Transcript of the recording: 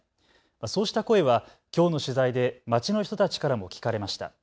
そうした声はきょうの取材で街の人たちからも聞かれました。